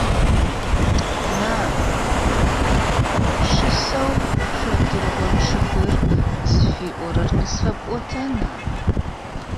Нан! Пшысэу «Шэдыргъо чъыгыр» зыфиӀорэр къысфэпӀотэна?